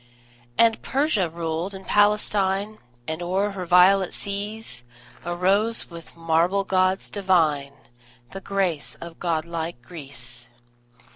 And Persia ruled and Palestine; And o'er her violet seas Arose, with marble gods divine, The grace of god like Greece.